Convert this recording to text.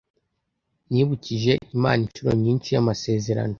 Nibukije Imana inshuro nyinshi amasezerano